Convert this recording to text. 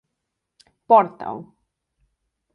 Porta-ho!